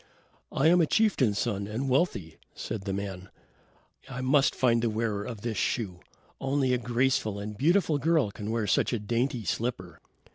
"I am a chieftain's son, and wealthy," said the man. "I must find the wearer of this shoe. Only a graceful and beautiful girl can wear such a dainty slipper."